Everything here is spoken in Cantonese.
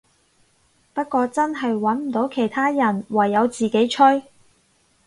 不過真係穩唔到其他人，唯有自己吹